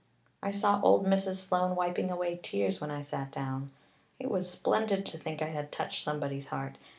"I saw old Mrs. Sloane wiping away tears when I sat down. It was splendid to think I had touched somebody's heart.